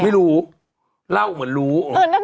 ไม่รู้เล่าเหมือนรู้